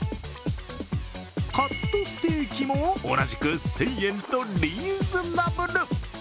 カットステーキも同じく１０００円とリーズナブル。